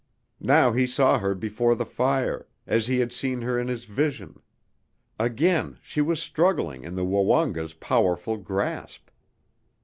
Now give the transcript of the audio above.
Now he saw her before the fire, as he had seen her in his vision; again, she was struggling in the Woonga's powerful grasp.